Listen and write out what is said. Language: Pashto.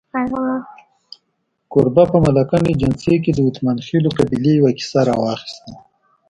کوربه په ملکنډ ایجنسۍ کې د اتمانخېلو قبیلې یوه کیسه راواخسته.